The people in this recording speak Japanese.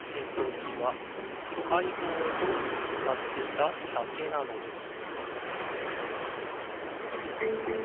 むしはたかいほうへとむかっていただけなのです